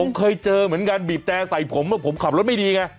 ผมเคยเจอเหมือนกันบีบแต่ใส่ผมว่าผมขับรถไม่ดีไง